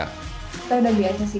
kita sudah biasa sih